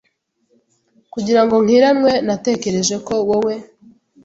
Kugira ngo nkiranwe natekereje ko wowe,